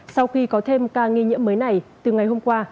sau khi có thêm ca nghi nhiễm mới này từ ngày hôm qua